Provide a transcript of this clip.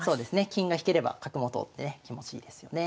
金が引ければ角も通ってね気持ちいいですよね。